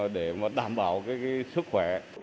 để đảm bảo sự chống dịch